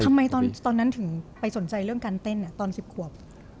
ทำไมตอนนั้นถึงไปสนใจเรื่องการเต้นตอน๑๐ขวบ